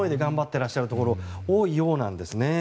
てらっしゃるところが多いようなんですね。